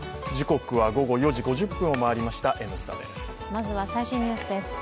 まずは最新ニュースです。